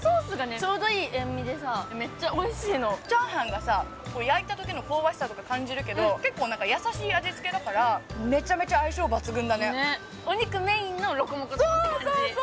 ちょうどいい塩味でさめっちゃおいしいのチャーハンがさ焼いた時の香ばしさとか感じるけど結構何か優しい味付けだからめちゃめちゃ相性抜群だねお肉メインのロコモコ丼って感じそう